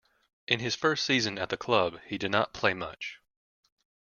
In his first season at the club he did not play much.